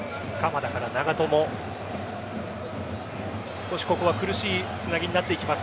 少しここは苦しいつなぎになっていきます。